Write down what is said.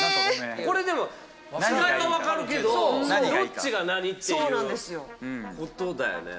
これ違いは分かるけどどっちが何？っていうことだよね。